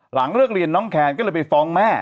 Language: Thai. หลังเลิกเรียนน้องแคนก็เลยไปฟ้องแม่